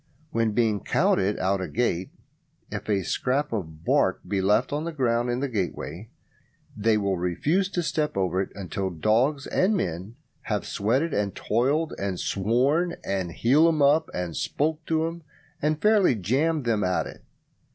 When being counted out at a gate, if a scrap of bark be left on the ground in the gateway, they will refuse to step over it until dogs and men have sweated and toiled and sworn and "heeled 'em up", and "spoke to 'em", and fairly jammed them at it.